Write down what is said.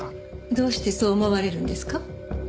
どうしてそう思われるんですか？